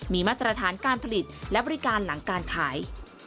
มีมาตรฐานการผลิตและบริการหลังการขาย